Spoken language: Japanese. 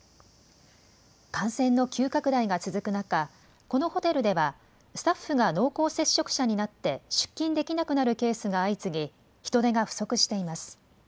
感染の急拡大が続く中、このホテルでは、スタッフが濃厚接触者になって出勤できなくなるケースが相次ぎ、人手が不足しています。